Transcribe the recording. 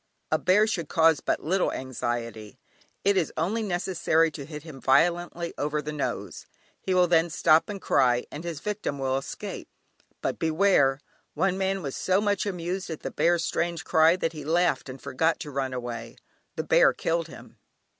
A bear should cause but little anxiety; it is only necessary to hit him violently over the nose; he will then stop and cry, and his victim will escape. But beware! one man was so much amused at the bear's strange cry that he laughed and forgot to run away. The bear killed him.